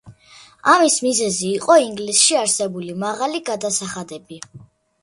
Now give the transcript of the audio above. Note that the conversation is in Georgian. ამის მიზეზი იყო ინგლისში არსებული მაღალი გადასახადები.